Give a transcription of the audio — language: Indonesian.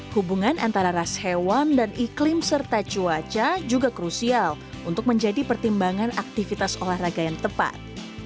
hubungan antara ras hewan dan iklim serta cuaca juga krusial untuk menjadi pertimbangan aktivitas olahraga yang tepat